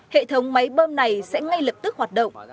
hệ thống máy bơm này sẽ ngay lập tức hoạt động